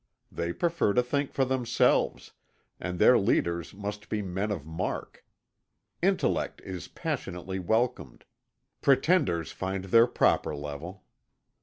They prefer to think for themselves, and their leaders must be men of mark. Intellect is passionately welcomed; pretenders find their proper level.